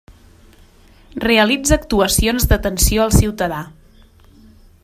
Realitza actuacions d'atenció al ciutadà.